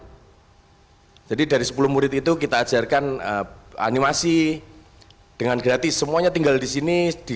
hai jadi dari sepuluh murid itu kita ajarkan animasi dengan gratis semuanya tinggal di sini di